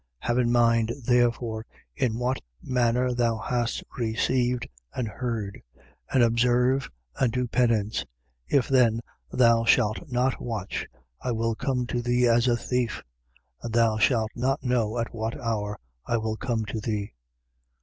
3:3. Have in mind therefore in what manner thou hast received and heard: and observe and do penance: If then thou shalt not watch, I will come to thee as a thief: and thou shalt not know at what hour I will come to thee.